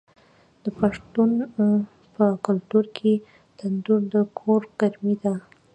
د پښتنو په کلتور کې تندور د کور ګرمي ده.